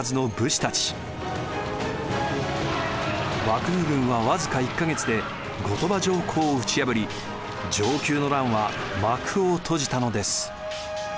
幕府軍は僅か１か月で後鳥羽上皇を打ち破り承久の乱は幕を閉じたのです。